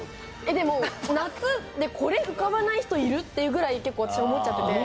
でも夏でこれ浮かばない人いる？っていうぐらい結構私思っちゃってて。